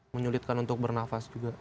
menyulitkan untuk bernafas juga